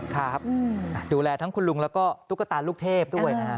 ครับดูแลทั้งคุณลุงแล้วก็ตุ๊กตาลูกเทพด้วยนะฮะ